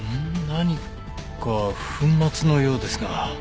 何か粉末のようですが。